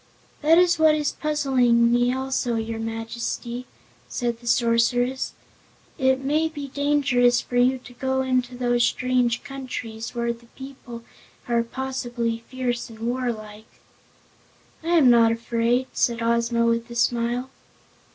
"That is what is puzzling me also, your Majesty," said the Sorceress. "It may be dangerous for you to go into those strange countries, where the people are possibly fierce and warlike." "I am not afraid," said Ozma, with a smile.